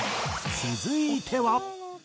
続いては。